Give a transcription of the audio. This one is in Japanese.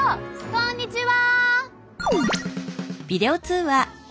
こんにちは！